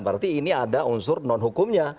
berarti ini ada unsur non hukumnya